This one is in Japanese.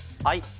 はい